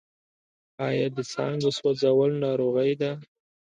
آیا د څانګو سوځول ناروغۍ ورکوي؟